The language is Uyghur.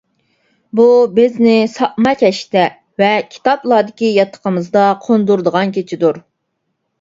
بۇ بىزنى ساپما كەشتە ۋە كىتابلاردىكى ياتىقىمىزدا قوندۇرىدىغان كېچىدۇر.